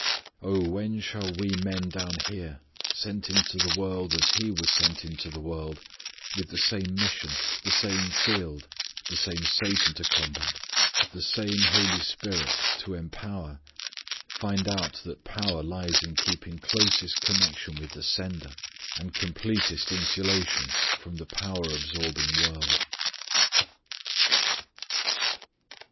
Oh! when shall we men down here, sent into the world as He was sent into the world, with the same mission, the same field, the same Satan to combat, the same Holy Spirit to empower, find out that power lies in keeping closest connection with the Sender, and completest insulation from the power absorbing world!